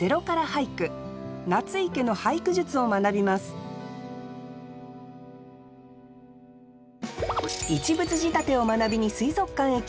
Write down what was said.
夏井家の俳句術を学びます「一物仕立て」を学びに水族館へ来ている２人。